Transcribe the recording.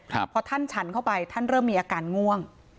พอท่านฉันเข้าไปท่านเริ่มมีอาการง่วง